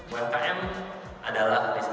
pertanyaan adalah bisnis utama